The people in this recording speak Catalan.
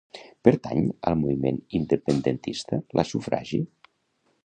Pertany al moviment independentista la Sufragi?